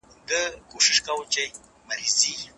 دا حالت په ګډوډو ټولنو کي پېښيږي.